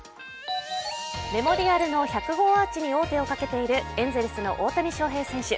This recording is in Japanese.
メモリアルの１００号アーチに王手をかけているエンゼルスの大谷翔平選手。